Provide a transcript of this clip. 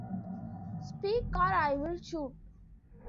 Speak or I'll Shoot!